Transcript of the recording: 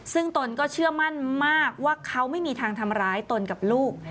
ซึ่งตนก็เชื่อมั่นมากว่าเขาไม่มีทางทำร้ายตนกับลูก